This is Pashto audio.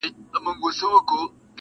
خلک درپسې ګوري